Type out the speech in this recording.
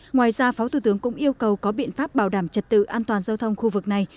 ngoài ra phó thủ tướng cũng yêu cầu có biện pháp bảo đảm trật tự an toàn giao thông khu vực này